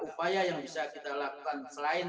upaya yang bisa kita lakukan selain